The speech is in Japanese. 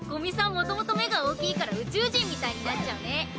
もともと目が大きいから宇宙人みたいになっちゃうね。